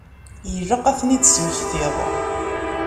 Ilaq ad ten-id-tesmektiḍ.